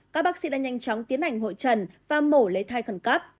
các bác sĩ đã nhanh chóng tiến hành hội trần và mổ lấy thai khẩn cấp